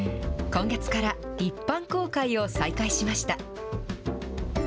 今月から一般公開を再開しました。